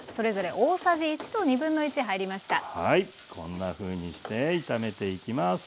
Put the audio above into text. はいこんなふうにして炒めていきます。